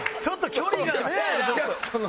ちょっと距離がね。